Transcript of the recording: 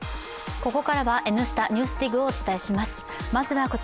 ここからは「Ｎスタ・ＮＥＷＳＤＩＧ」をお伝えします。